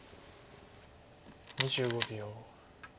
２５秒。